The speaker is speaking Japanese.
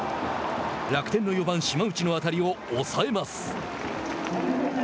楽天の４番、島内の当たりを抑えます。